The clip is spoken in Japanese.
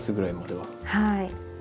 はい。